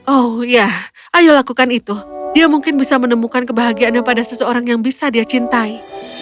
oh ya ayo lakukan itu dia mungkin bisa menemukan kebahagiaannya pada seseorang yang bisa dia cintai